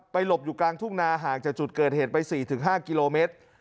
หลบอยู่กลางทุ่งนาห่างจากจุดเกิดเหตุไป๔๕กิโลเมตร